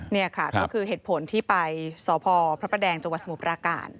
นี่ค่ะนี่คือเหตุผลที่ไปสพพระแดงจสมประการ